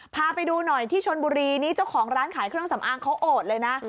พาไปดูหน่อยที่ชนบุรีนี่เจ้าของร้านขายเครื่องสำอางเขาโอดเลยนะ